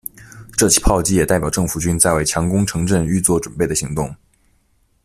这起炮击也代表政府军在为强攻城镇预作准备的行动。